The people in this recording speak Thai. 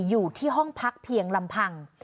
อยู่ที่ห้องพักเพียงลำพัง